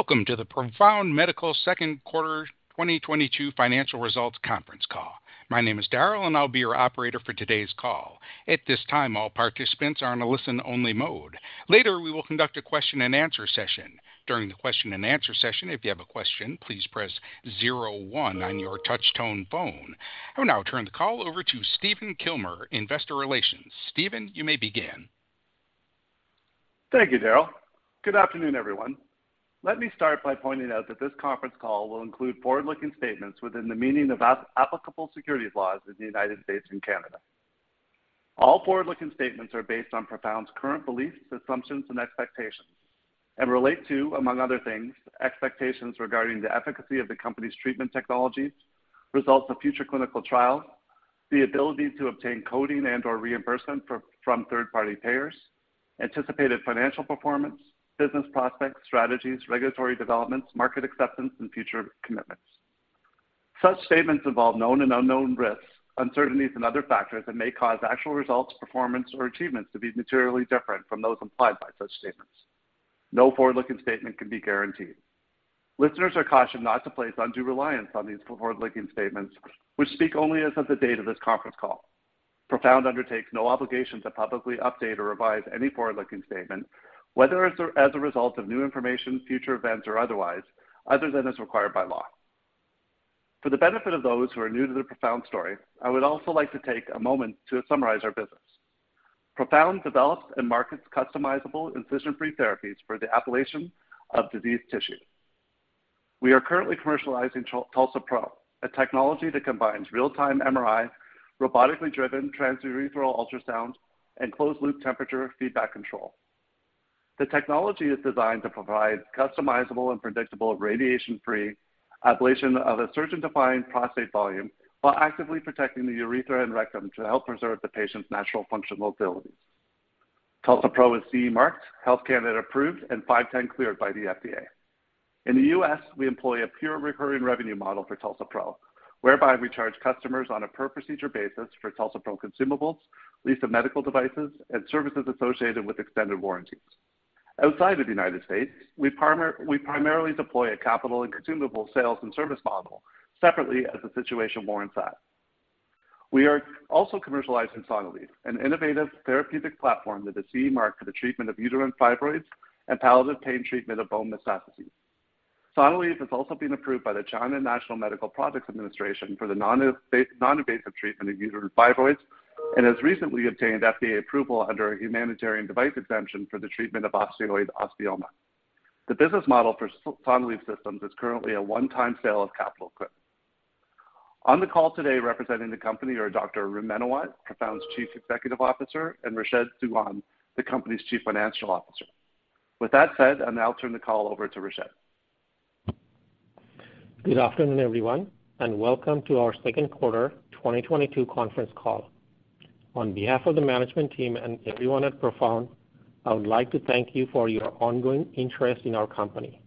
Welcome to the Profound Medical second quarter 2022 financial results conference call. My name is Darryl, and I'll be your operator for today's call. At this time, all participants are in a listen-only mode. Later, we will conduct a question-and-answer session. During the question-and-answer session, if you have a question, please press zero one on your touch-tone phone. I will now turn the call over to Stephen Kilmer, Investor Relations. Stephen, you may begin. Thank you, Darryl. Good afternoon, everyone. Let me start by pointing out that this conference call will include forward-looking statements within the meaning of applicable securities laws in the United States and Canada. All forward-looking statements are based on Profound's current beliefs, assumptions, and expectations and relate to, among other things, expectations regarding the efficacy of the company's treatment technologies, results of future clinical trials, the ability to obtain coding and/or reimbursement for, from third-party payers, anticipated financial performance, business prospects, strategies, regulatory developments, market acceptance, and future commitments. Such statements involve known and unknown risks, uncertainties, and other factors that may cause actual results, performance, or achievements to be materially different from those implied by such statements. No forward-looking statement can be guaranteed. Listeners are cautioned not to place undue reliance on these forward-looking statements, which speak only as of the date of this conference call. Profound undertakes no obligation to publicly update or revise any forward-looking statement, whether as a result of new information, future events, or otherwise, other than as required by law. For the benefit of those who are new to the Profound story, I would also like to take a moment to summarize our business. Profound develops and markets customizable incision-free therapies for the ablation of diseased tissue. We are currently commercializing TULSA-PRO, a technology that combines real-time MRI, robotically driven transurethral ultrasound, and closed-loop temperature feedback control. The technology is designed to provide customizable and predictable radiation-free ablation of a surgeon-defined prostate volume while actively protecting the urethra and rectum to help preserve the patient's natural functional abilities. TULSA-PRO is CE marked, Health Canada approved, and 510(k) cleared by the FDA. In the U.S., we employ a pure recurring revenue model for TULSA-PRO, whereby we charge customers on a per-procedure basis for TULSA-PRO consumables, lease of medical devices, and services associated with extended warranties. Outside of the United States, we primarily deploy a capital and consumable sales and service model separately as the situation warrants that. We are also commercializing Sonalleve, an innovative therapeutic platform that is CE marked for the treatment of uterine fibroids and palliative pain treatment of bone metastases. Sonalleve has also been approved by the China National Medical Products Administration for the noninvasive treatment of uterine fibroids and has recently obtained FDA approval under a Humanitarian Device Exemption for the treatment of osteoid osteoma. The business model for Sonalleve systems is currently a one-time sale of capital equipment. On the call today representing the company are Dr. Arun Menawat, Profound's Chief Executive Officer; and Rashed Dewan, the company's Chief Financial Officer. With that said, I'll now turn the call over to Rashed. Good afternoon, everyone, and welcome to our second quarter 2022 conference call. On behalf of the management team and everyone at Profound, I would like to thank you for your ongoing interest in our company.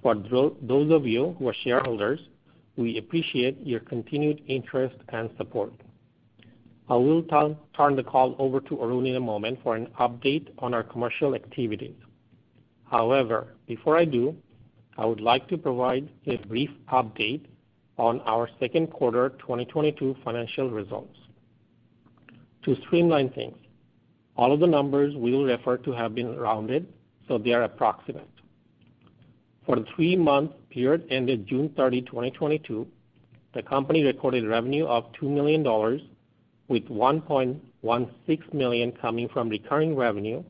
For those of you who are shareholders, we appreciate your continued interest and support. I will turn the call over to Arun in a moment for an update on our commercial activities. However, before I do, I would like to provide a brief update on our second quarter 2022 financial results. To streamline things, all of the numbers we will refer to have been rounded, so they are approximate. For the three-month period ended June 30, 2022, the company recorded revenue of $2 million, with $1.16 million coming from recurring revenue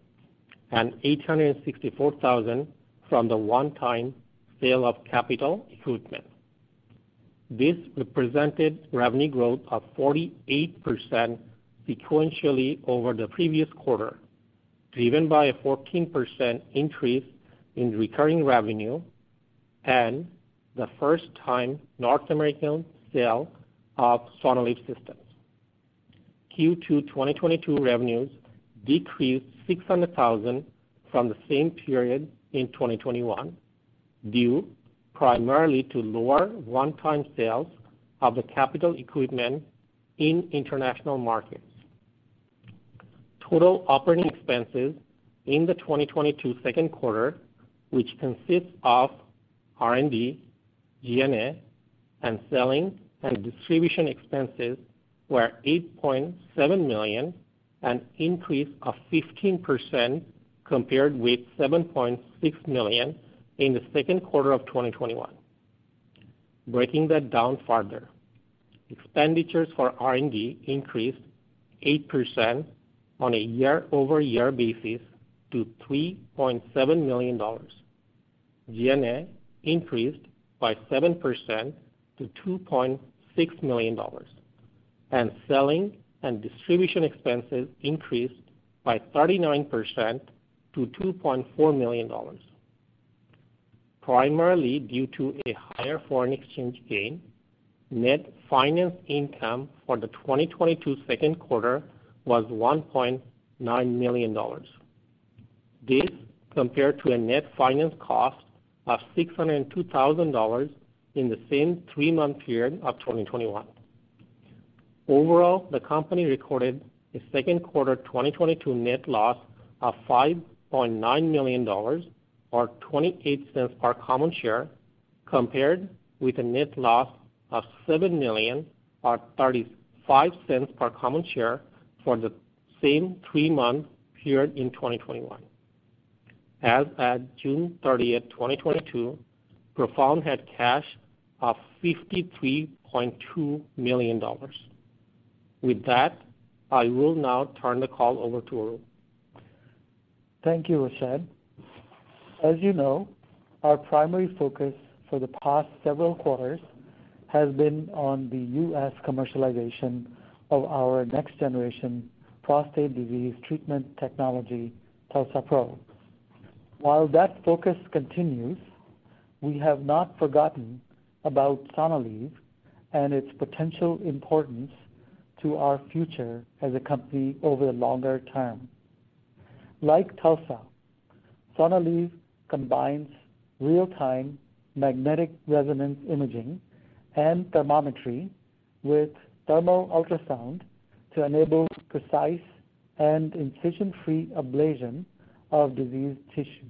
and $864,000 from the one-time sale of capital equipment. This represented revenue growth of 48% sequentially over the previous quarter, driven by a 14% increase in recurring revenue and the first time North American sale of Sonalleve systems. Q2 2022 revenues decreased $600,000 from the same period in 2021, due primarily to lower one-time sales of the capital equipment in international markets. Total operating expenses in the 2022 second quarter, which consists of R&D, G&A, and selling and distribution expenses, were $8.7 million, an increase of 15% compared with $7.6 million in the second quarter of 2021. Breaking that down further, expenditures for R&D increased 8% on a year-over-year basis to $3.7 million. G&A increased by 7% to $2.6 million. Selling and distribution expenses increased by 39% to $2.4 million. Primarily due to a higher foreign exchange gain, net finance income for the 2022 second quarter was $1.9 million. This compared to a net finance cost of $602,000 in the same three-month period of 2021. Overall, the company recorded a second quarter 2022 net loss of $5.9 million or $0.28 per common share compared with a net loss of $7 million or $0.35 per common share for the same three-month period in 2021. As at June 30th, 2022, Profound had cash of $53.2 million. With that, I will now turn the call over to Arun. Thank you, Rashed. As you know, our primary focus for the past several quarters has been on the U.S. commercialization of our next-generation prostate disease treatment technology, TULSA-PRO. While that focus continues, we have not forgotten about Sonalleve and its potential importance to our future as a company over the longer term. Like TULSA, Sonalleve combines real-time magnetic resonance imaging and thermometry with thermal ultrasound to enable precise and incision-free ablation of diseased tissue.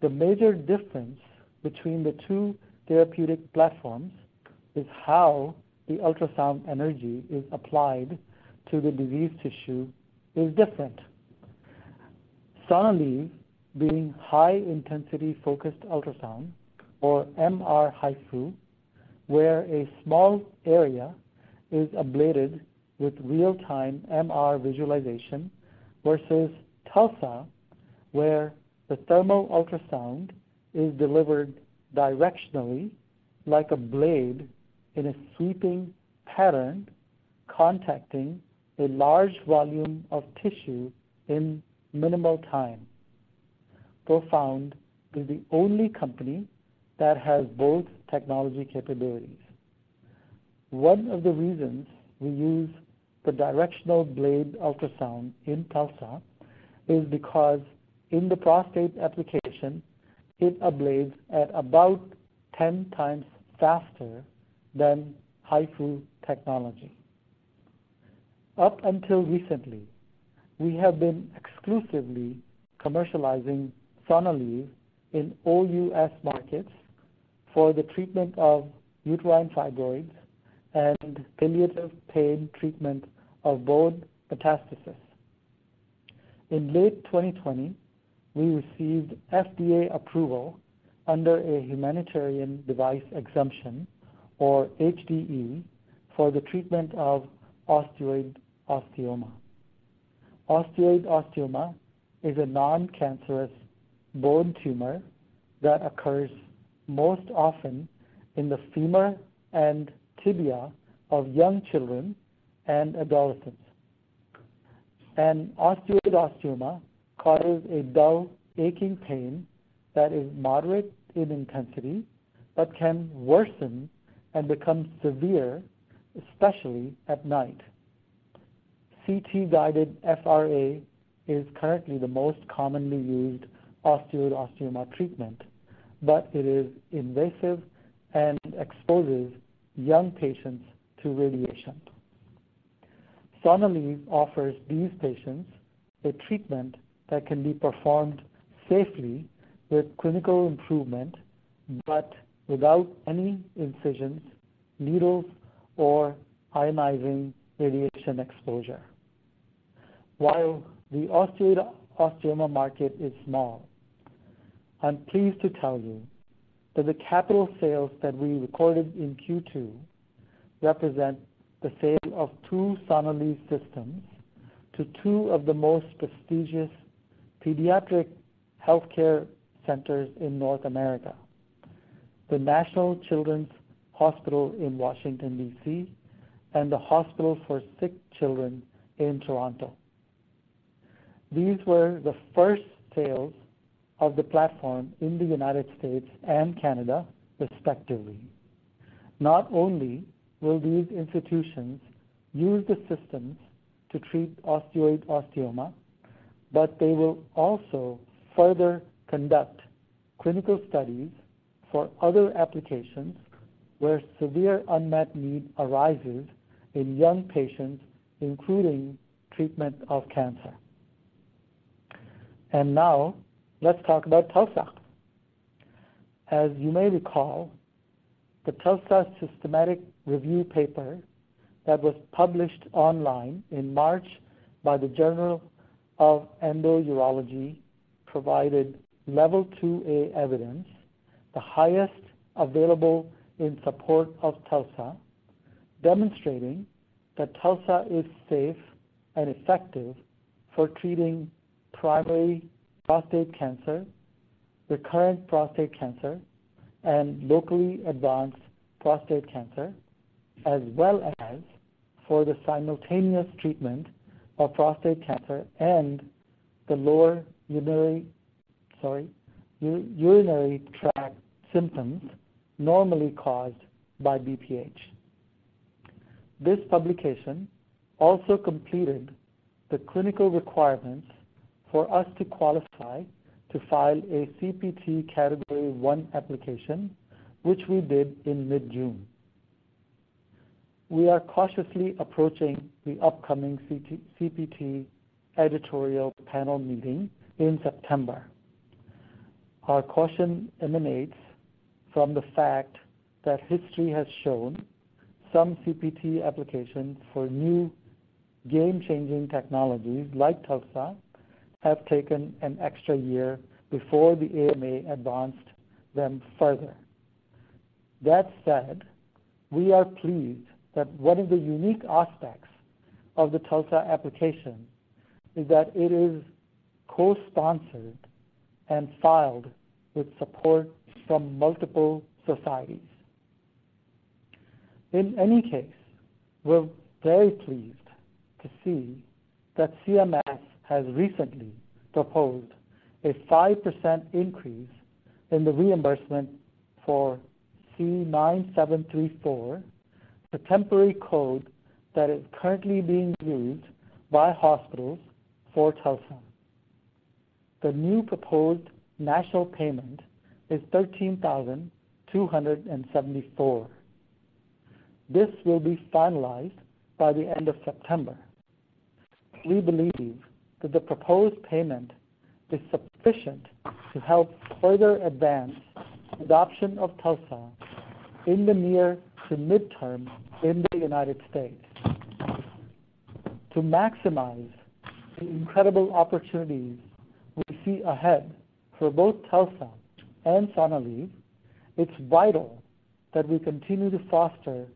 The major difference between the two therapeutic platforms is how the ultrasound energy is applied to the diseased tissue is different. Sonalleve being high-intensity focused ultrasound or MR-HIFU, where a small area is ablated with real-time MR visualization versus TULSA where the thermal ultrasound is delivered directionally like a blade in a sweeping pattern, contacting a large volume of tissue in minimal time. Profound is the only company that has both technology capabilities. One of the reasons we use the directional blade ultrasound in TULSA is because in the prostate application, it ablates at about 10x faster than HIFU technology. Up until recently, we have been exclusively commercializing Sonalleve in all U.S. markets for the treatment of uterine fibroids and palliative pain treatment of bone metastasis. In late 2020, we received FDA approval under a Humanitarian Device Exemption, or HDE, for the treatment of osteoid osteoma. Osteoid osteoma is a non-cancerous bone tumor that occurs most often in the femur and tibia of young children and adolescents. An osteoid osteoma causes a dull aching pain that is moderate in intensity but can worsen and become severe, especially at night. CT-guided RFA is currently the most commonly used osteoid osteoma treatment, but it is invasive and exposes young patients to radiation. Sonalleve offers these patients a treatment that can be performed safely with clinical improvement, but without any incisions, needles, or ionizing radiation exposure. While the osteoid osteoma market is small, I'm pleased to tell you that the capital sales that we recorded in Q2 represent the sale of two Sonalleve systems to two of the most prestigious pediatric healthcare centers in North America, the Children's National Hospital in Washington, D.C., and The Hospital for Sick Children in Toronto. These were the first sales of the platform in the United States and Canada, respectively. Not only will these institutions use the systems to treat osteoid osteoma, but they will also further conduct clinical studies for other applications where severe unmet need arises in young patients, including treatment of cancer. Now let's talk about TULSA. As you may recall, the TULSA systematic review paper that was published online in March by the Journal of Endourology provided Level 2a evidence, the highest available in support of TULSA, demonstrating that TULSA is safe and effective for treating primary prostate cancer, recurrent prostate cancer, and locally advanced prostate cancer, as well as for the simultaneous treatment of prostate cancer and the lower urinary tract symptoms normally caused by BPH. This publication also completed the clinical requirements for us to qualify to file a CPT Category One application, which we did in mid-June. We are cautiously approaching the upcoming CPT editorial panel meeting in September. Our caution emanates from the fact that history has shown some CPT applications for new game-changing technologies like TULSA have taken an extra year before the AMA advanced them further. That said, we are pleased that one of the unique aspects of the TULSA application is that it is co-sponsored and filed with support from multiple societies. In any case, we're very pleased to see that CMS has recently proposed a 5% increase in the reimbursement for C9734, the temporary code that is currently being used by hospitals for TULSA. The new proposed national payment is $13,274. This will be finalized by the end of September. We believe that the proposed payment is sufficient to help further advance adoption of TULSA in the near to midterm in the United States. To maximize the incredible opportunities we see ahead for both TULSA and Sonalleve, it's vital that we continue to foster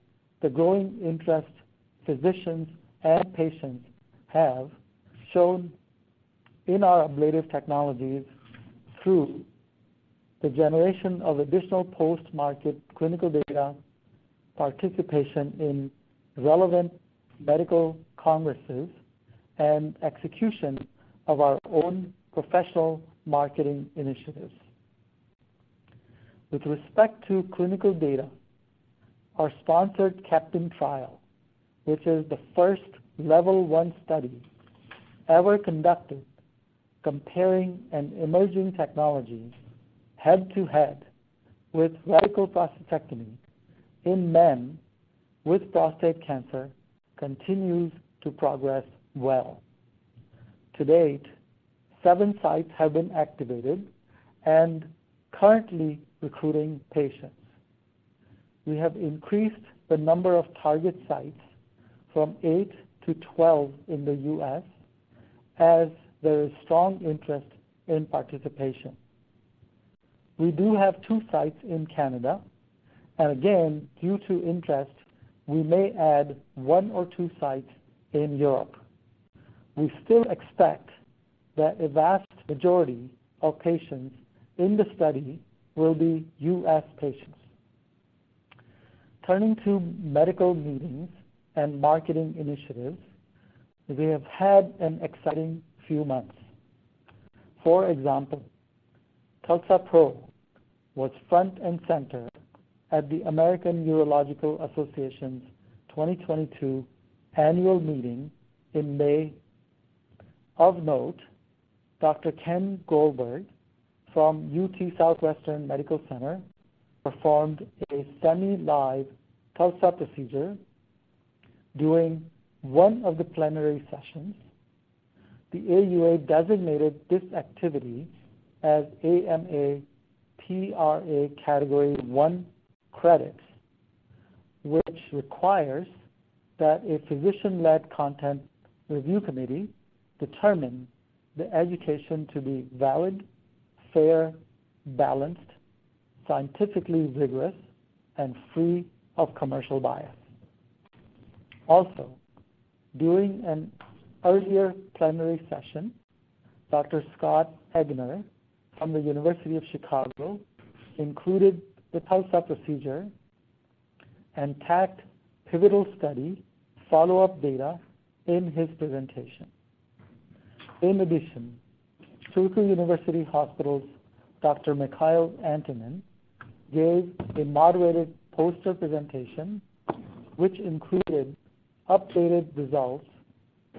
the growing interest physicians and patients have shown in our ablative technologies through the generation of additional post-market clinical data, participation in relevant medical congresses, and execution of our own professional marketing initiatives. With respect to clinical data, our sponsored CAPTAIN trial, which is the first level one study ever conducted comparing an emerging technology head-to-head with radical prostatectomy in men with prostate cancer, continues to progress well. To date, seven sites have been activated and currently recruiting patients. We have increased the number of target sites from eight to 12 in the U.S. as there is strong interest in participation. We do have two sites in Canada. Again, due to interest, we may add one or two sites in Europe. We still expect that a vast majority of patients in the study will be U.S. patients. Turning to medical meetings and marketing initiatives, we have had an exciting few months. For example, TULSA-PRO was front and center at the American Urological Association's 2022 Annual Meeting in May. Of note, Dr. Ken Goldberg from UT Southwestern Medical Center performed a semi-live TULSA procedure during one of the plenary sessions. The AUA designated this activity as AMA PRA Category One Credit, which requires that a physician-led content review committee determine the education to be valid, fair, balanced, scientifically rigorous, and free of commercial bias. Also, during an earlier plenary session, Dr. Scott Eggener from the University of Chicago included the TULSA procedure and TACT pivotal study follow-up data in his presentation. In addition, Turku University Hospital's Dr. Mikael Anttinen gave a moderated poster presentation, which included updated results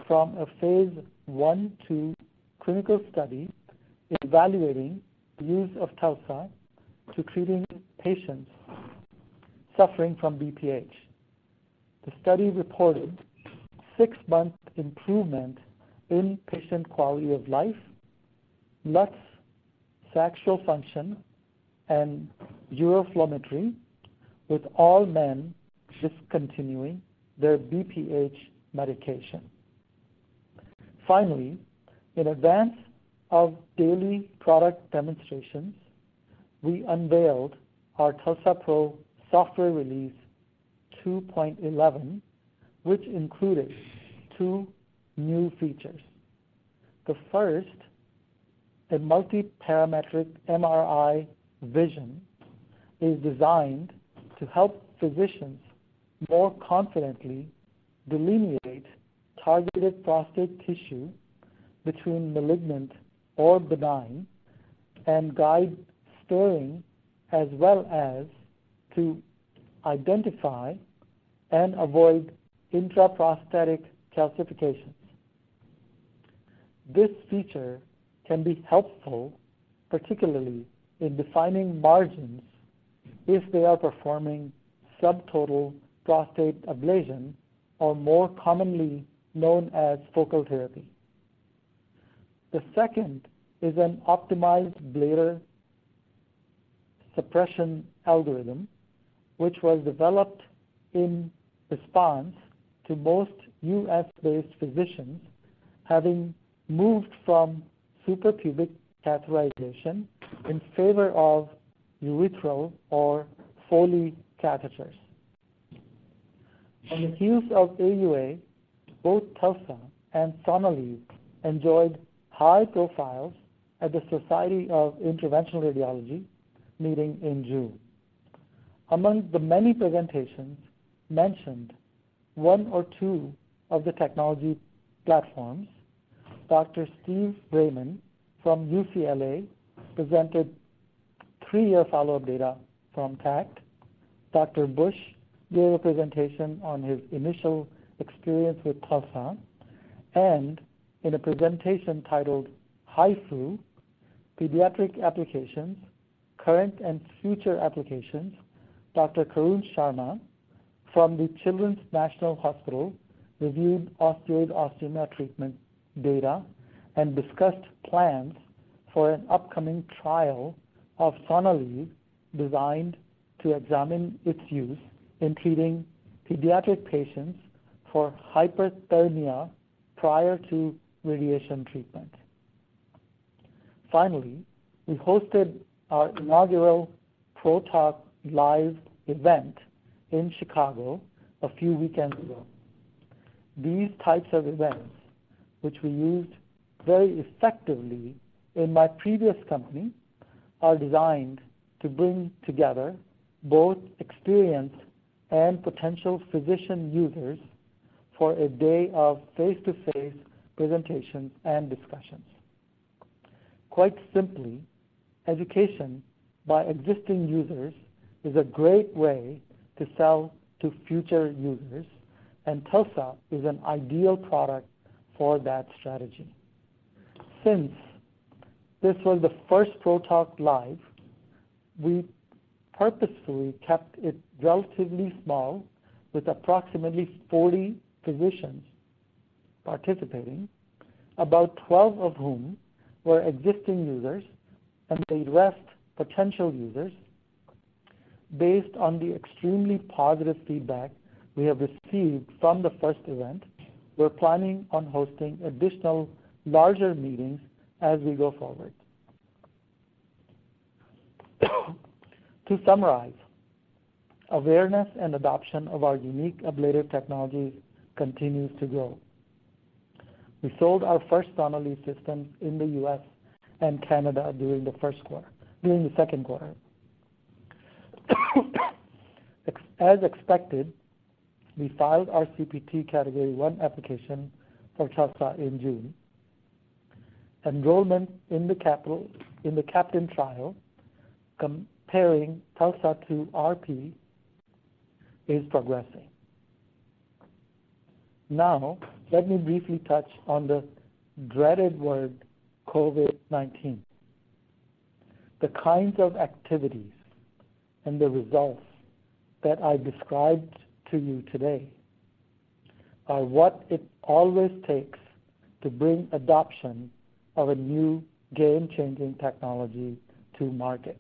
from a phase I/II clinical study evaluating the use of TULSA for treating patients suffering from BPH. The study reported six-month improvement in patient quality of life, preserved sexual function, and uroflowmetry, with all men discontinuing their BPH medication. Finally, in advance of daily product demonstrations, we unveiled our TULSA-PRO software release 2.11, which included two new features. The first, a multiparametric MRI Vision, is designed to help physicians more confidently delineate targeted prostate tissue between malignant or benign and guide steering as well as to identify and avoid intra-prostatic calcifications. This feature can be helpful, particularly in defining margins if they are performing subtotal prostate ablation, or more commonly known as focal therapy. The second is an optimized bladder suppression algorithm, which was developed in response to most U.S.-based physicians having moved from suprapubic catheterization in favor of urethral or Foley catheters. In the booth at the AUA, both TULSA and Sonalleve enjoyed high profiles at the Society of Interventional Radiology meeting in June. Among the many presentations mentioned one or two of the technology platforms, Dr. Steve Raman from UCLA presented three-year follow-up data from TACT. Dr. Busch gave a presentation on his initial experience with TULSA, and in a presentation titled HIFU Pediatric Applications: Current and Future Applications, Dr. Karun Sharma from the Children's National Hospital reviewed osteoid osteoma treatment data and discussed plans for an upcoming trial of Sonalleve, designed to examine its use in treating pediatric patients for hyperthermia prior to radiation treatment. Finally, we hosted our inaugural PRO-Talk Live event in Chicago a few weekends ago. These types of events, which we used very effectively in my previous company, are designed to bring together both experienced and potential physician users for a day of face-to-face presentations and discussions. Quite simply, education by existing users is a great way to sell to future users, and TULSA is an ideal product for that strategy. Since this was the first PRO-Talk Live, we purposefully kept it relatively small, with approximately 40 physicians participating, about 12 of whom were existing users and the rest potential users. Based on the extremely positive feedback we have received from the first event, we're planning on hosting additional larger meetings as we go forward. To summarize, awareness and adoption of our unique ablative technologies continues to grow. We sold our first Sonalleve system in the U.S. and Canada during the second quarter. As expected, we filed our CPT Category One application for TULSA in June. Enrollment in the CAPTAIN trial comparing TULSA to RP is progressing. Now let me briefly touch on the dreaded word, COVID-19. The kinds of activities and the results that I described to you today are what it always takes to bring adoption of a new game-changing technology to market.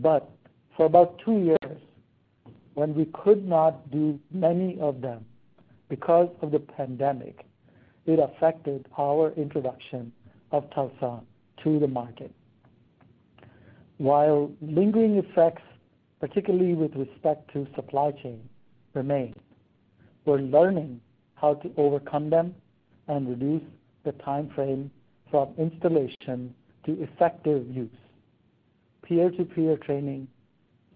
For about two years, when we could not do many of them because of the pandemic, it affected our introduction of TULSA to the market. While lingering effects, particularly with respect to supply chain, remain, we're learning how to overcome them and reduce the timeframe from installation to effective use. Peer-to-peer training,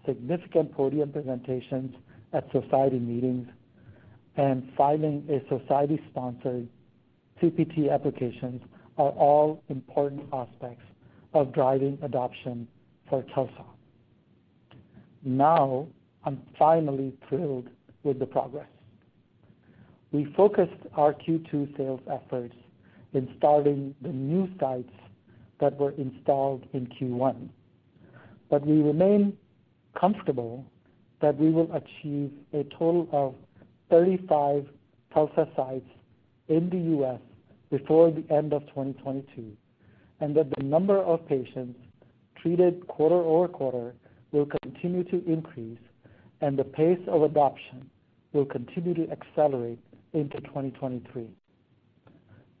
significant podium presentations at society meetings, and filing a society-sponsored CPT applications are all important aspects of driving adoption for TULSA. Now, I'm finally thrilled with the progress. We focused our Q2 sales efforts installing the new sites that were installed in Q1. We remain comfortable that we will achieve a total of 35 TULSA sites in the U.S. before the end of 2022, and that the number of patients treated quarter-over-quarter will continue to increase and the pace of adoption will continue to accelerate into 2023.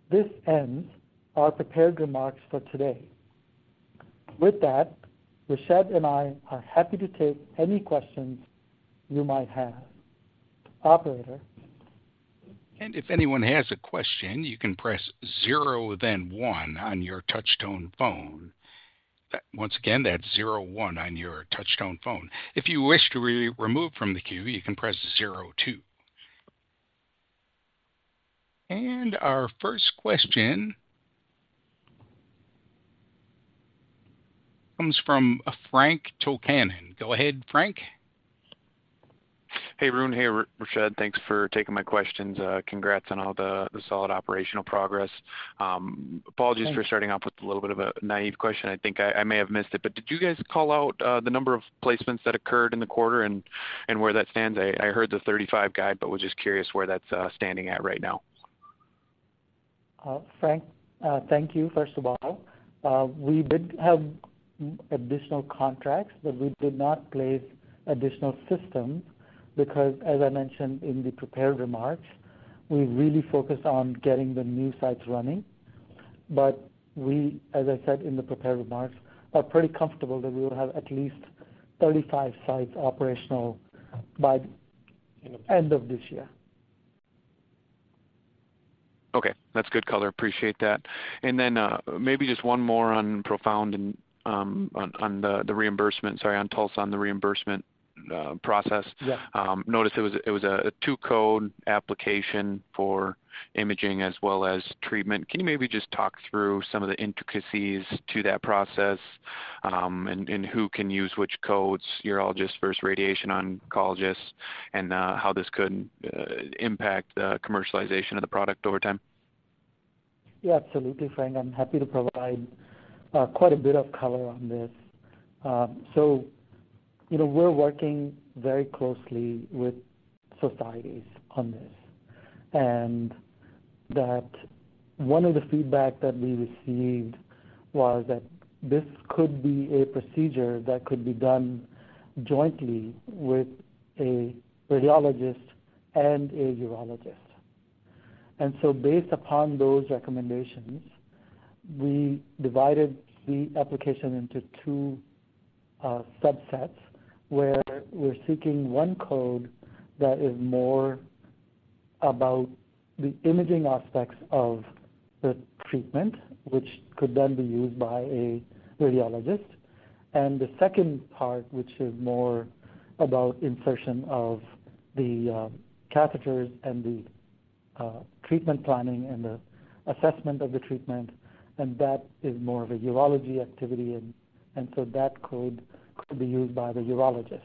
This ends our prepared remarks for today. With that, Rashed and I are happy to take any questions you might have. Operator? If anyone has a question, you can press zero then one on your touch tone phone. Once again, that's zero one on your touch tone phone. If you wish to remove from the queue, you can press zero two. Our first question comes from Frank Takkinen. Go ahead, Frank. Hey, Arun. Hey, Rashed. Thanks for taking my questions. Congrats on all the solid operational progress. Apologies for. Thanks. Starting off with a little bit of a naive question. I think I may have missed it, but did you guys call out the number of placements that occurred in the quarter and where that stands? I heard the 35 guide, but was just curious where that's standing at right now. Frank, thank you first of all. We did have additional contracts, but we did not place additional systems because, as I mentioned in the prepared remarks, we really focused on getting the new sites running. We, as I said in the prepared remarks, are pretty comfortable that we will have at least 35 sites operational by end of this year. Okay. That's good color. Appreciate that. Maybe just one more on Profound and on TULSA on the reimbursement process. Yeah. Noticed it was a two code application for imaging as well as treatment. Can you maybe just talk through some of the intricacies to that process, and who can use which codes, urologists versus radiation oncologists, and how this could impact the commercialization of the product over time? Yeah, absolutely, Frank. I'm happy to provide quite a bit of color on this. You know, we're working very closely with societies on this. That one of the feedback that we received was that this could be a procedure that could be done jointly with a radiologist and a urologist. Based upon those recommendations, we divided the application into two subsets, where we're seeking one code that is more about the imaging aspects of the treatment, which could then be used by a radiologist. The second part, which is more about insertion of the catheters and the treatment planning and the assessment of the treatment, and that is more of a urology activity, and so that code could be used by the urologist.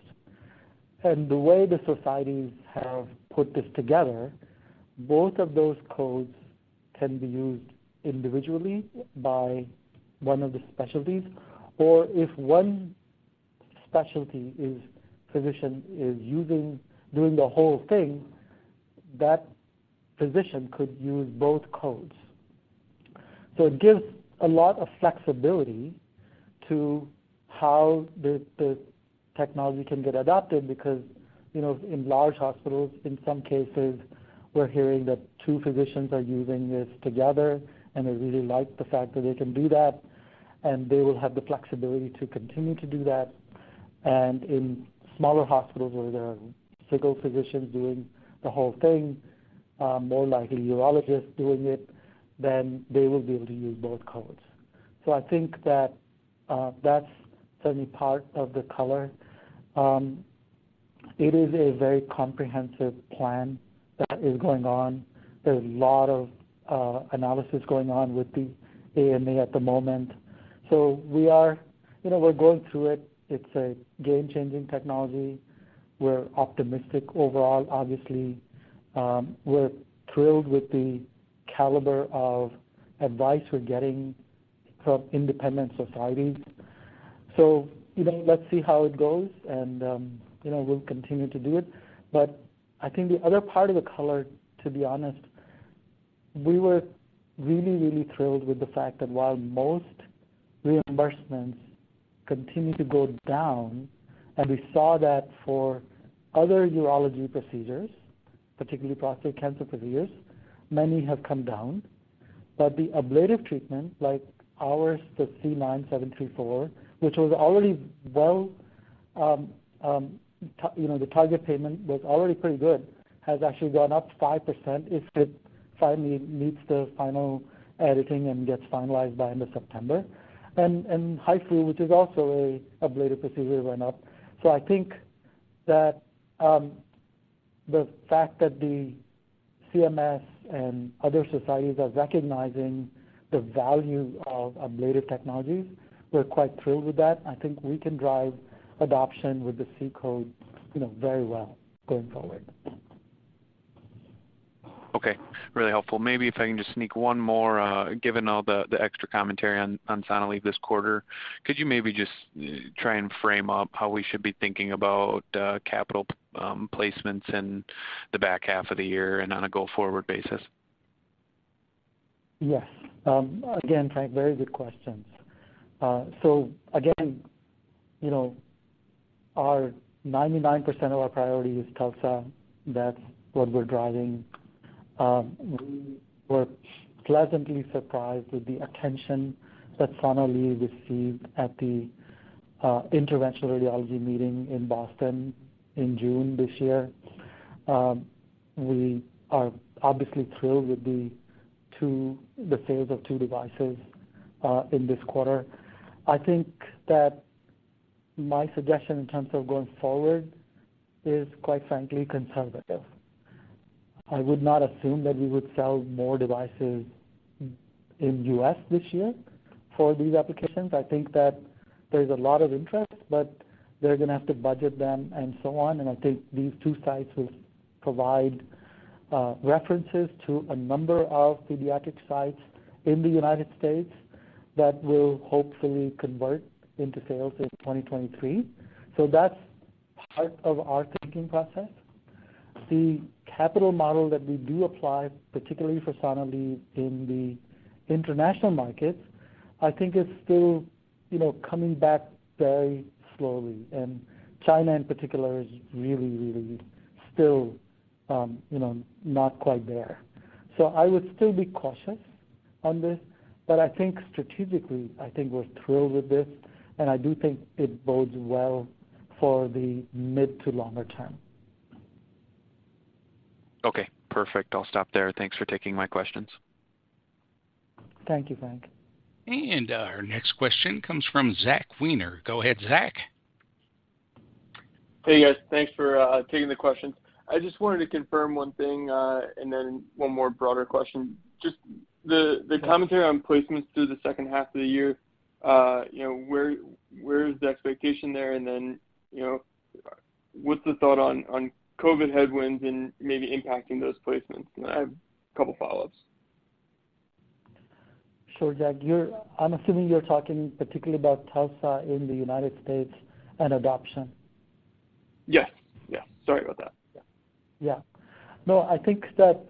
The way the societies have put this together, both of those codes can be used individually by one of the specialties, or if one specialty's physician is doing the whole thing, that physician could use both codes. It gives a lot of flexibility to how the technology can get adopted because, you know, in large hospitals, in some cases, we're hearing that two physicians are using this together, and they really like the fact that they can do that, and they will have the flexibility to continue to do that. In smaller hospitals where there are single physicians doing the whole thing, more likely urologists doing it, then they will be able to use both codes. I think that that's certainly part of the color. It is a very comprehensive plan that is going on. There's a lot of analysis going on with the AMA at the moment. We are, you know, we're going through it. It's a game-changing technology. We're optimistic overall, obviously. We're thrilled with the caliber of advice we're getting from independent societies. You know, let's see how it goes and, you know, we'll continue to do it. I think the other part of the color, to be honest, we were really thrilled with the fact that while most reimbursements continue to go down, and we saw that for other urology procedures, particularly prostate cancer procedures, many have come down. The ablative treatment, like ours, the C9734, which was already well, you know, the target payment was already pretty good, has actually gone up 5% if it finally meets the final editing and gets finalized by end of September. HIFU, which is also an ablative procedure, went up. I think that the fact that the CMS and other societies are recognizing the value of ablative technologies, we're quite thrilled with that. I think we can drive adoption with the C-code, you know, very well going forward. Okay. Really helpful. Maybe if I can just sneak one more, given all the extra commentary on Sonalleve this quarter. Could you maybe just try and frame up how we should be thinking about capital placements in the back half of the year and on a go-forward basis? Yes. Again, Frank, very good questions. So again, you know, our 99% of our priority is TULSA. That's what we're driving. We were pleasantly surprised with the attention that Sonalleve received at the interventional radiology meeting in Boston in June this year. We are obviously thrilled with the sales of two devices in this quarter. I think that. My suggestion in terms of going forward is quite frankly conservative. I would not assume that we would sell more devices in U.S. this year for these applications. I think that there's a lot of interest, but they're gonna have to budget them and so on. I think these two sites will provide references to a number of pediatric sites in the United States that will hopefully convert into sales in 2023. That's part of our thinking process. The capital model that we do apply, particularly for Sonalleve in the international markets, I think it's still, you know, coming back very slowly. China in particular is really, really still, you know, not quite there. I would still be cautious on this, but I think strategically, I think we're thrilled with this, and I do think it bodes well for the mid to longer term. Okay, perfect. I'll stop there. Thanks for taking my questions. Thank you, Frank. Our next question comes from Zach Weiner. Go ahead, Zach. Hey, guys. Thanks for taking the questions. I just wanted to confirm one thing, and then one more broader question. Just the commentary on placements through the second half of the year, you know, where is the expectation there? You know, what's the thought on COVID headwinds and maybe impacting those placements? I have a couple follow-ups. Sure, Zach. I'm assuming you're talking particularly about TULSA in the United States and adoption. Yes. Yes. Sorry about that. Yeah. No, I think that,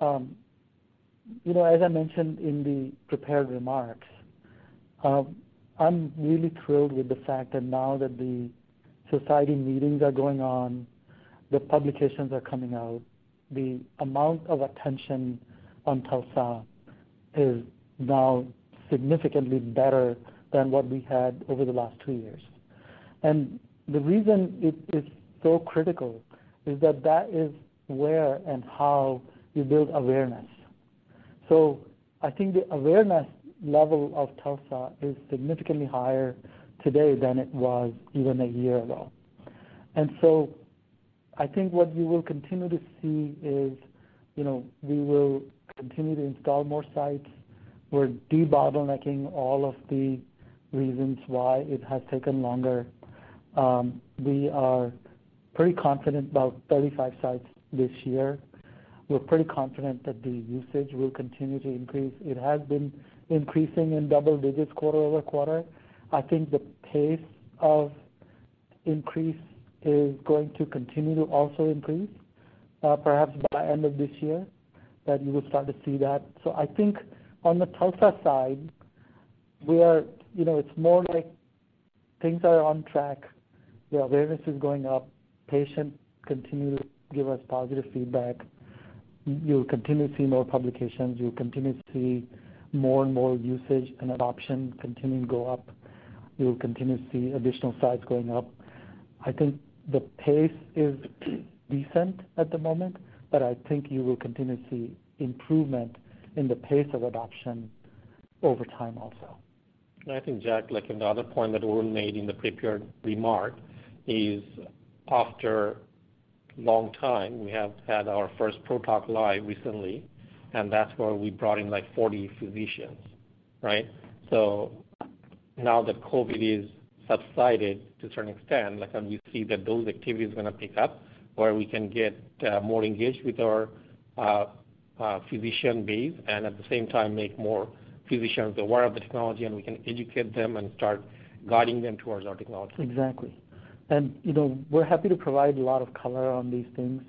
you know, as I mentioned in the prepared remarks, I'm really thrilled with the fact that now that the society meetings are going on, the publications are coming out, the amount of attention on TULSA is now significantly better than what we had over the last two years. The reason it is so critical is that that is where and how you build awareness. I think the awareness level of TULSA is significantly higher today than it was even a year ago. I think what you will continue to see is, you know, we will continue to install more sites. We're de-bottlenecking all of the reasons why it has taken longer. We are pretty confident about 35 sites this year. We're pretty confident that the usage will continue to increase. It has been increasing in double digits quarter-over-quarter. I think the pace of increase is going to continue to also increase, perhaps by end of this year that you will start to see that. I think on the TULSA side, we are, you know, it's more like things are on track. The awareness is going up. Patients continue to give us positive feedback. You'll continue to see more publications. You'll continue to see more and more usage and adoption continuing to go up. You'll continue to see additional sites going up. I think the pace is decent at the moment, but I think you will continue to see improvement in the pace of adoption over time also. I think, Zach, like another point that we made in the prepared remark is after long time, we have had our first PRO-Talk Live recently, and that's where we brought in, like, 40 physicians, right? So now that COVID has subsided to a certain extent, like, you see that those activities gonna pick up, where we can get, more engaged with our, physician base, and at the same time, make more physicians aware of the technology, and we can educate them and start guiding them towards our technology. Exactly. We're happy to provide a lot of color on these things.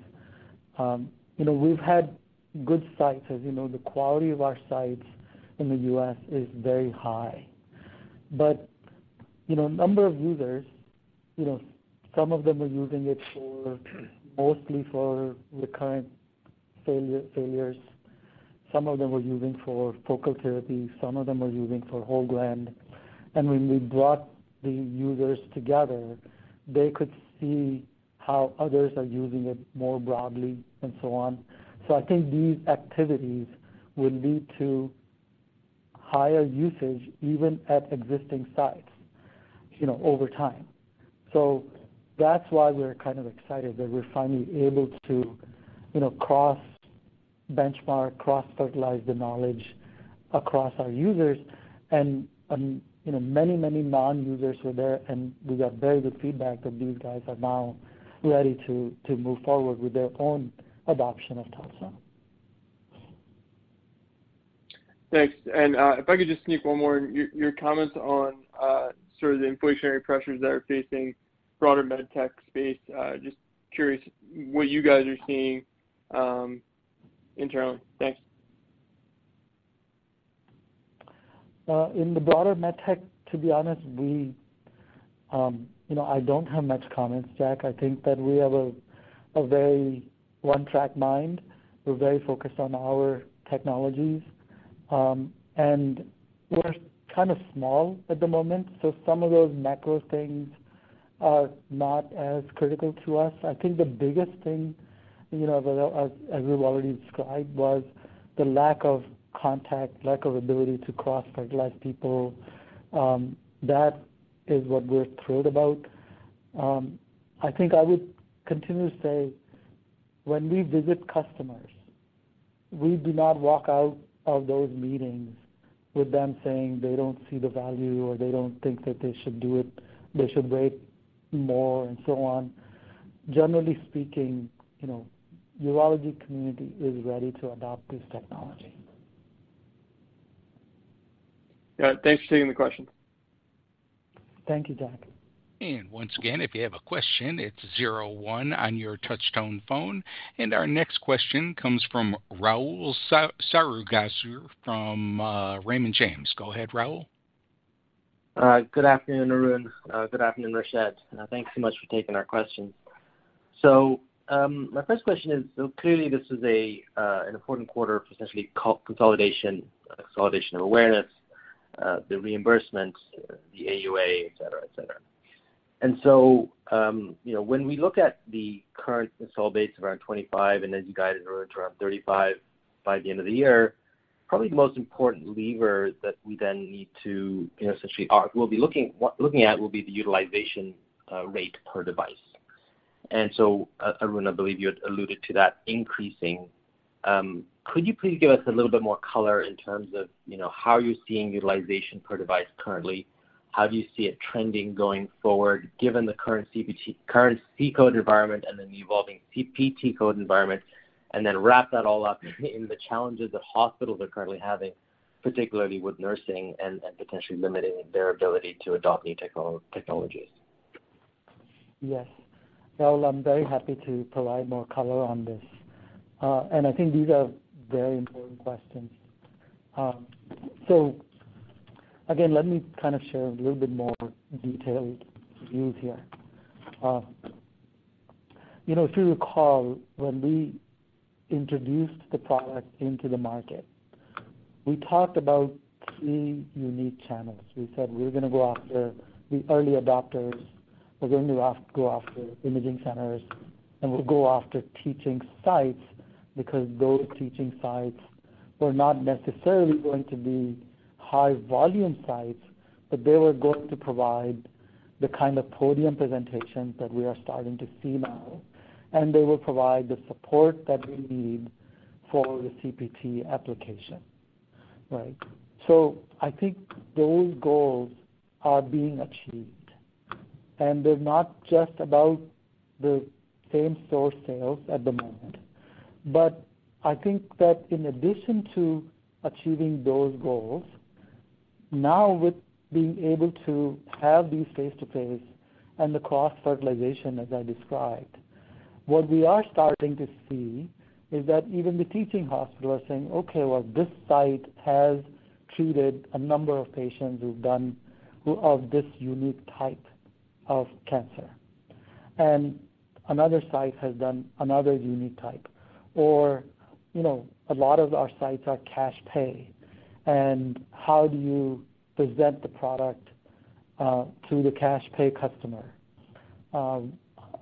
You know, we've had good sites. As you know, the quality of our sites in the U.S. is very high. Number of users, you know, some of them are using it for, mostly for recurrent failures. Some of them are using for focal therapy, some of them are using for whole gland. When we brought the users together, they could see how others are using it more broadly and so on. I think these activities will lead to higher usage, even at existing sites, you know, over time. That's why we're kind of excited that we're finally able to, you know, cross-benchmark, cross-fertilize the knowledge across our users. You know, many non-users were there, and we got very good feedback that these guys are now ready to move forward with their own adoption of TULSA. Thanks. If I could just sneak one more. Your comments on sort of the inflationary pressures that are facing broader med tech space, just curious what you guys are seeing internally. Thanks. In the broader med tech, to be honest, we, you know, I don't have much comments, Zach. I think that we have a very one-track mind. We're very focused on our technologies. We're kind of small at the moment, so some of those macro things are not as critical to us. I think the biggest thing, you know, as we've already described, was the lack of contact, lack of ability to cross-fertilize people. That is what we're thrilled about. I think I would continue to say when we visit customers, we do not walk out of those meetings with them saying they don't see the value or they don't think that they should do it, they should wait more and so on. Generally speaking, you know, urology community is ready to adopt this technology. Yeah, thanks for taking the question. Thank you, Zach. Once again, if you have a question, it's zero one on your touch tone phone. Our next question comes from Rahul Sarugaser from Raymond James. Go ahead, Rahul. Good afternoon, Arun. Good afternoon, Rashed. Thanks so much for taking our questions. My first question is, clearly this is an important quarter for essentially consolidation of awareness, the reimbursements, the AUA, et cetera, et cetera. You know, when we look at the current install base of around 25, and as you guided earlier to around 35 by the end of the year, probably the most important lever that we then need to, you know, essentially we'll be looking at will be the utilization rate per device. Arun, I believe you had alluded to that increasing. Could you please give us a little bit more color in terms of, you know, how you're seeing utilization per device currently? How do you see it trending going forward given the current C-code environment and then the evolving CPT code environment, and then wrap that all up in the challenges that hospitals are currently having, particularly with nursing and potentially limiting their ability to adopt new technologies? Yes. Well, I'm very happy to provide more color on this. I think these are very important questions. Again, let me kind of share a little bit more detailed views here. You know, if you recall, when we introduced the product into the market, we talked about three unique channels. We said we're gonna go after the early adopters, we're going to go after imaging centers, and we'll go after teaching sites because those teaching sites were not necessarily going to be high volume sites, but they were going to provide the kind of podium presentations that we are starting to see now, and they will provide the support that we need for the CPT application. Right? I think those goals are being achieved, and they're not just about the same store sales at the moment, but I think that in addition to achieving those goals, now with being able to have these face-to-face and the cross-fertilization as I described, what we are starting to see is that even the teaching hospital are saying, "Okay, well, this site has treated a number of patients with this unique type of cancer." Another site has done another unique type or, you know, a lot of our sites are cash pay. How do you present the product to the cash pay customer?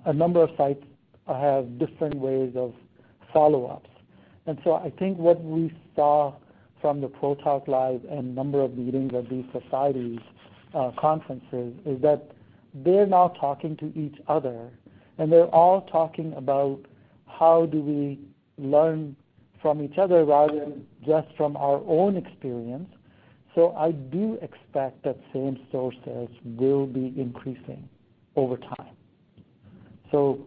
A number of sites have different ways of follow-ups. I think what we saw from the PRO-Talk Live and a number of meetings at these societies, conferences, is that they're now talking to each other, and they're all talking about how do we learn from each other rather than just from our own experience. I do expect that same store sales will be increasing over time.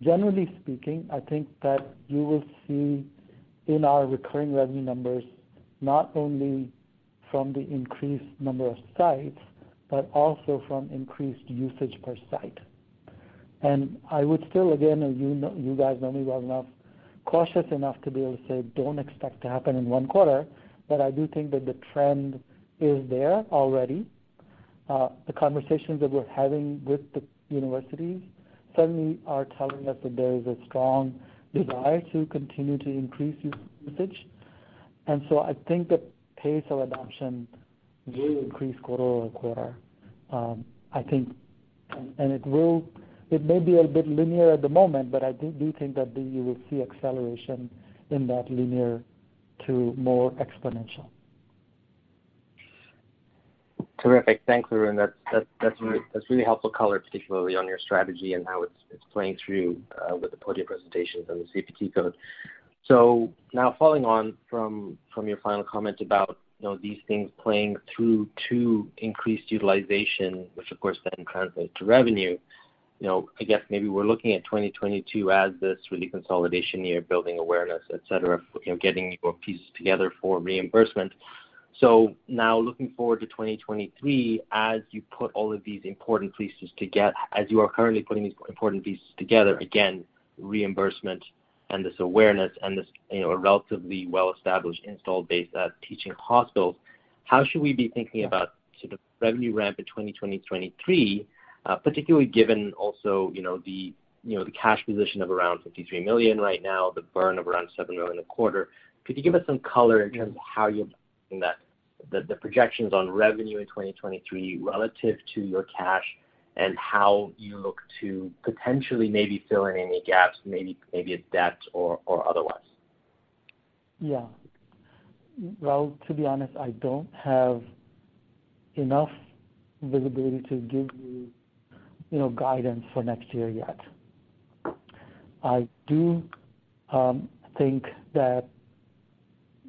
Generally speaking, I think that you will see in our recurring revenue numbers, not only from the increased number of sites, but also from increased usage per site. I would still, again, and you guys know me well enough, cautious enough to be able to say, "Don't expect to happen in one quarter," but I do think that the trend is there already. The conversations that we're having with the universities certainly are telling us that there is a strong desire to continue to increase U.S. usage. I think the pace of adoption will increase quarter-over-quarter. It may be a bit linear at the moment, but I do think that you will see acceleration in that linear to more exponential. Terrific. Thanks, Arun. That's really helpful color, particularly on your strategy and how it's playing through with the podium presentations and the CPT code. Now following on from your final comment about, you know, these things playing through to increased utilization, which of course then translates to revenue, you know, I guess maybe we're looking at 2022 as this really consolidation year, building awareness, et cetera, you know, getting your pieces together for reimbursement. Now looking forward to 2023, as you put all of these important pieces together, as you are currently putting these important pieces together, again, reimbursement and this awareness and this, you know, a relatively well-established install base at teaching hospitals, how should we be thinking about sort of revenue ramp in 2023, particularly given also, you know, the, you know, the cash position of around $53 million right now, the burn of around $7 million a quarter? Could you give us some color in terms of how you're doing that? The projections on revenue in 2023 relative to your cash and how you look to potentially maybe fill in any gaps, maybe it's debt or otherwise. Yeah. Well, to be honest, I don't have enough visibility to give you know, guidance for next year yet. I do think that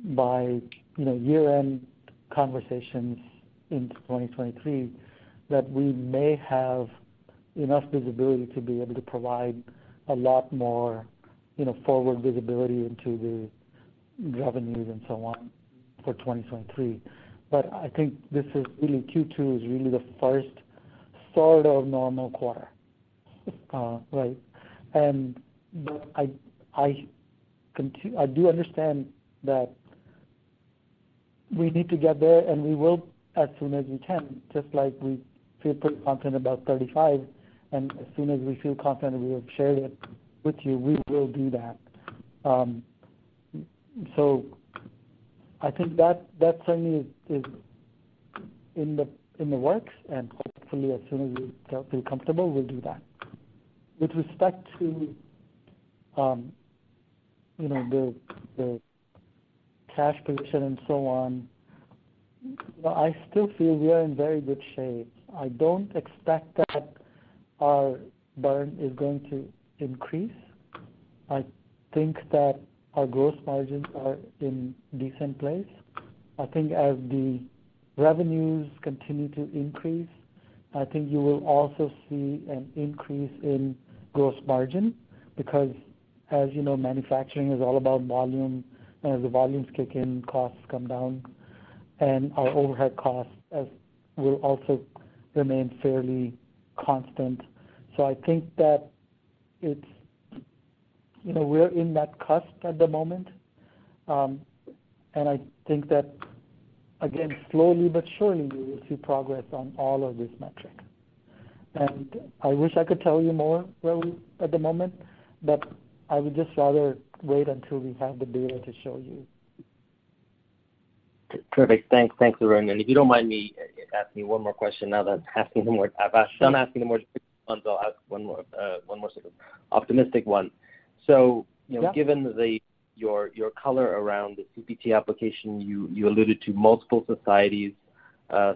by, you know, year-end conversations in 2023, that we may have enough visibility to be able to provide a lot more, you know, forward visibility into the revenues and so on for 2023. I think this is really, Q2 is really the first sort of normal quarter. Right. I do understand that we need to get there, and we will as soon as we can, just like we feel pretty confident about $35, and as soon as we feel confident we have shared it with you, we will do that. I think that that certainly is in the works, and hopefully as soon as we feel comfortable, we'll do that. With respect to the cash position and so on, you know, I still feel we are in very good shape. I don't expect that our burn is going to increase. I think that our gross margins are in decent place. I think as the revenues continue to increase, I think you will also see an increase in gross margin because as you know, manufacturing is all about volume. As the volumes kick in, costs come down, and our overhead costs will also remain fairly constant. So I think that it's, you know, we're in that cusp at the moment, and I think that again, slowly but surely you will see progress on all of these metrics. I wish I could tell you more, Willie, at the moment, but I would just rather wait until we have the data to show you. Perfect. Thanks. Thanks, Arun. If you don't mind me asking you one more question now that I'm done asking the more specific ones, I'll ask one more sort of optimistic one. Yeah. You know, given your color around the CPT application, you alluded to multiple societies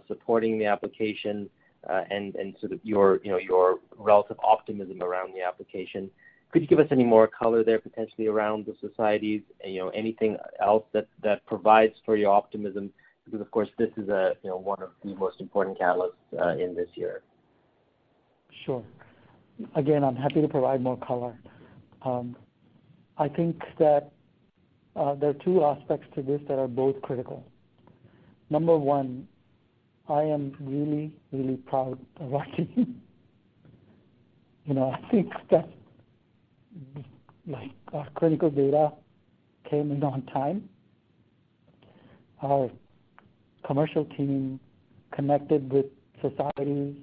supporting the application, and sort of your relative optimism around the application. Could you give us any more color there potentially around the societies? You know, anything else that provides for your optimism? Because of course, this is, you know, one of the most important catalysts in this year. Sure. Again, I'm happy to provide more color. I think that there are two aspects to this that are both critical. Number one, I am really, really proud of our team. You know, I think that, like, our clinical data came in on time. Our commercial team connected with societies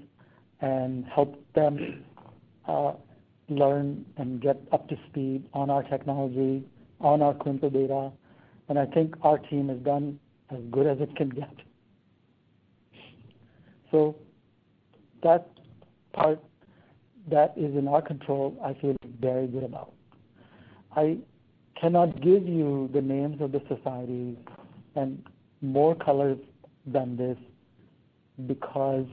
and helped them learn and get up to speed on our technology, on our clinical data, and I think our team has done as good as it can get. That part, that is in our control, I feel very good about. I cannot give you the names of the societies and more color than this because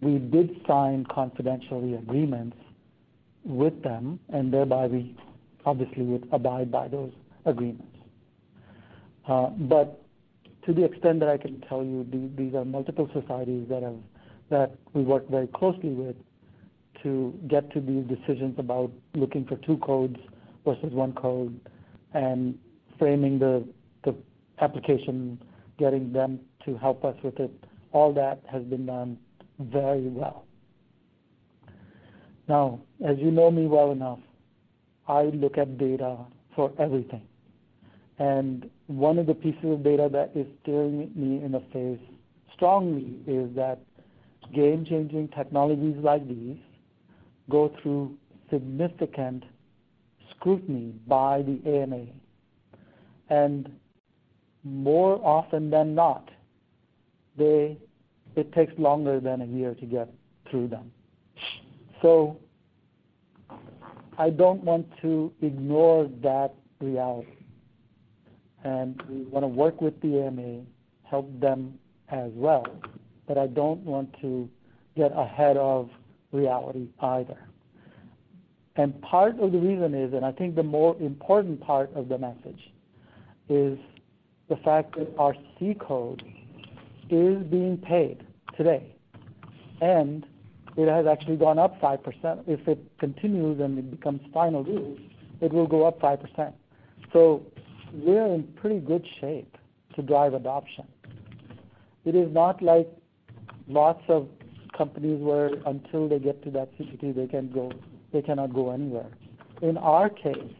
we did sign confidentiality agreements with them, and thereby we obviously would abide by those agreements. To the extent that I can tell you, these are multiple societies that have. that we work very closely with to get to these decisions about looking for two codes versus one code and framing the application, getting them to help us with it. All that has been done very well. Now, as you know me well enough, I look at data for everything. One of the pieces of data that is staring me in the face strongly is that game-changing technologies like these go through significant scrutiny by the AMA. More often than not, it takes longer than a year to get through them. I don't want to ignore that reality, and we wanna work with the AMA, help them as well, but I don't want to get ahead of reality either. Part of the reason is, and I think the more important part of the message, is the fact that our C-code is being paid today, and it has actually gone up 5%. If it continues and it becomes final rule, it will go up 5%. We're in pretty good shape to drive adoption. It is not like lots of companies where until they get to that CPT, they cannot go anywhere. In our case,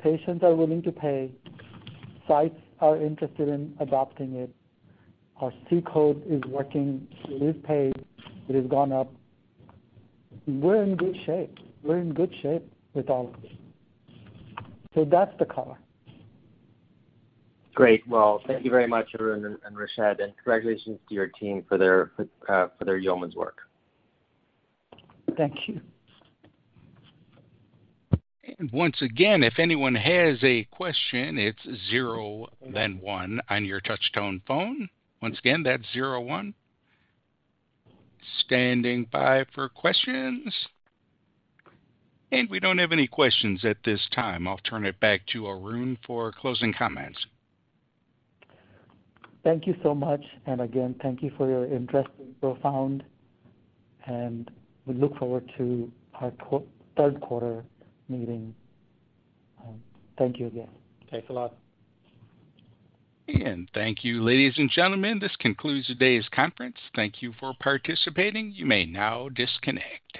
patients are willing to pay, sites are interested in adopting it, our C-code is working, it is paid, it has gone up. We're in good shape. We're in good shape with all of this. That's the color. Great. Well, thank you very much, Arun and Rashed, and congratulations to your team for their yeoman's work. Thank you. Once again, if anyone has a question, it's zero then one on your touch-tone phone. Once again, that's zero one. Standing by for questions. We don't have any questions at this time. I'll turn it back to Arun for closing comments. Thank you so much. Again, thank you for your interest in Profound, and we look forward to our third quarter meeting. Thank you again. Thanks a lot. Thank you, ladies and gentlemen. This concludes today's conference. Thank you for participating. You may now disconnect.